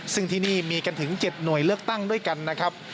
ซึ่งที่นี่มีกันถึง๗หน่วยเลือกตั้งด้วยกันนะครับ